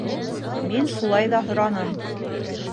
Мин шулай ҙа һораным: